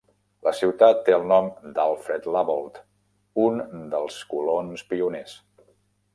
La ciutat té el nom d'Alfred Labolt, un dels colons pioners.